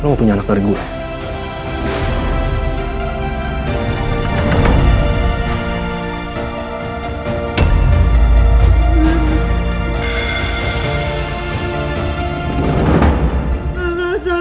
lu mau punya anak dari gua